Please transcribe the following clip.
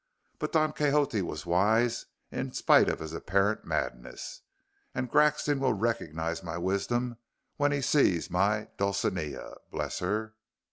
But Don Quixote was wise in spite of his apparent madness, and Grexon will recognize my wisdom when he sees my Dulcinea, bless her!